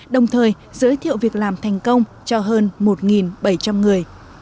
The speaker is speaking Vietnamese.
đồng thời giới thiệu việc làm thành công cho hơn một bảy trăm linh người